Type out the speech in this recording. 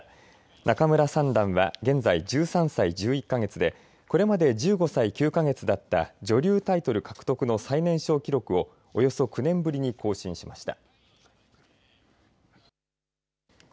仲邑三段は現在１３歳１１か月でこれまで１５歳９か月だった女流タイトル獲得の最年少記録をおよそ９年ぶりに更新しました。